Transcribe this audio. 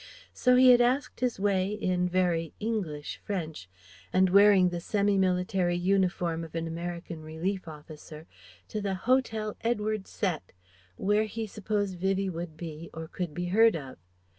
So he had asked his way in very "English" French, and wearing the semi military uniform of an American Relief officer to the Hotel "Edward Sett," where he supposed Vivie would be or could be heard of.